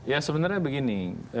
ya sebenarnya begini